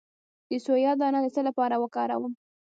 د سویا دانه د څه لپاره وکاروم؟